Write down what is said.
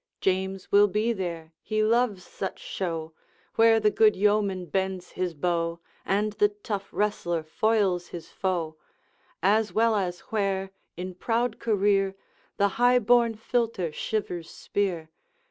James will be there; he loves such show, Where the good yeoman bends his bow, And the tough wrestler foils his foe, As well as where, in proud career, The high born filter shivers spear.